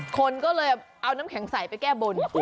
คนก็เลยเอาน้ำแข็งใสไปแก้บน